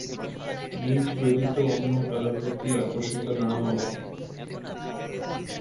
নিজ ব্যতীত অন্য কারো প্রতি আকর্ষিত না হওয়া।